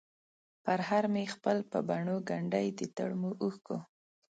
پرهر مې خپل په بڼووګنډی ، دتړمو اوښکو،